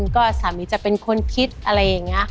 ก็สามีจะเป็นคนคิดอะไรอย่างนี้